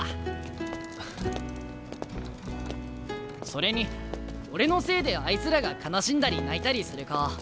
それに俺のせいであいつらが悲しんだり泣いたりする顔